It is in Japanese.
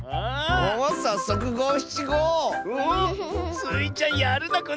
スイちゃんやるな！